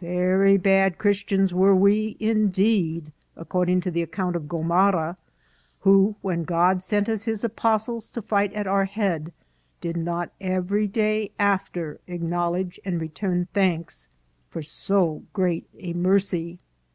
Very bad Christians were we, indeed, according to the account of Gomara, who, when God sent us his apos tles to fight at our head, did not every day after ac knowledge and return thanks for so great a mercy